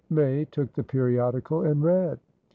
May took the periodical, and read.